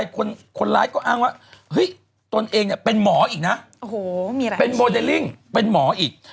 คนร้ายก็อ้างว่าเฮ้ยตนเองเป็นหมออีกนะเป็นโมเดลลิ่งเป็นหมออีก